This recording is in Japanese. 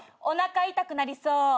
おなか痛くなりそう。